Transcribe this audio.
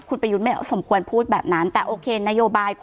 คุณประยุทธ์ไม่สมควรพูดแบบนั้นแต่โอเคนโยบาย